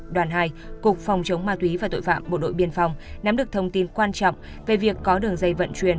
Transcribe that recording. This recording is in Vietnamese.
đoàn hai cục phòng chống ma túy và tội phạm bộ đội biên phòng nắm được thông tin quan trọng về việc có đường dây vận chuyển